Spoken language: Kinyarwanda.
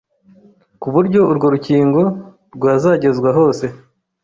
ku buryo urwo rukingo rwazagezwa hose